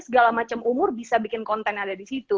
segala macam umur bisa bikin konten ada disitu